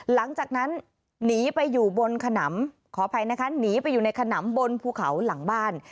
หลังจากนั้นหนีไปอยู่บนขนำขออภัยนะคะหนีไปอยู่ในขนำบนภูเขาหลังบ้าน